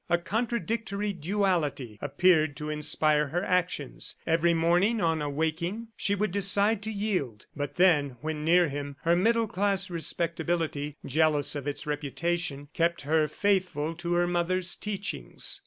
A contradictory duality appeared to inspire her actions. Every morning, on awaking, she would decide to yield, but then when near him, her middle class respectability, jealous of its reputation, kept her faithful to her mother's teachings.